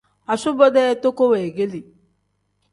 Asubo-dee toko weegeeli.